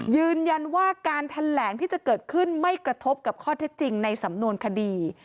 ยืนยันว่าการแถลงที่จะเกิดขึ้นไม่กระทบกับข้อเท็จจริงในสำนวนคดี